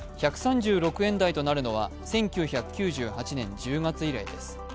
１３６円台となるのは１９９８年１０月以来です。